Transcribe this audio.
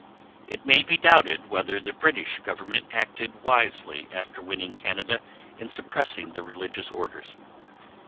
It may be doubted whether the British government acted wisely after winning Canada in suppressing the religious orders.